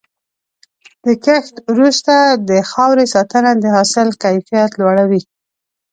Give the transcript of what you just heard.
د کښت وروسته د خاورې ساتنه د حاصل کیفیت لوړوي.